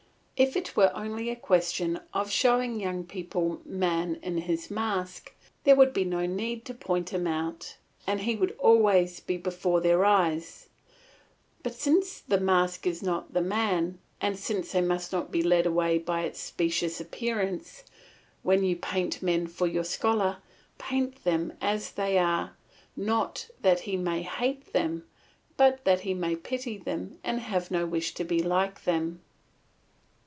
If it were only a question of showing young people man in his mask, there would be no need to point him out, and he would always be before their eyes; but since the mask is not the man, and since they must not be led away by its specious appearance, when you paint men for your scholar, paint them as they are, not that he may hate them, but that he may pity them and have no wish to be like them.